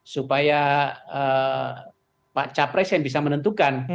supaya pak capres yang bisa menentukan